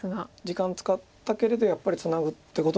時間使ったけれどやっぱりツナぐってことになる